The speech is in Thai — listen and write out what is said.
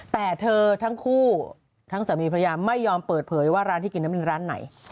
แต่เธอทั้งคู่ทั้งสามีพระยาไม่ยอมเปิดเผยว่าร้านที่กินนั้นเป็นร้านไหน